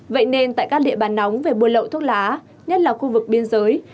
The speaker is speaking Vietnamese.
vậy nên tại các địa bàn nóng về buôn lậu thuốc lá nhất là khu vực biên giới